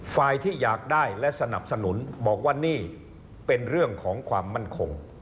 ฝ่ายที่อยากได้และสนับสนุนบอกว่านี่เป็นเรื่องของความมั่นคง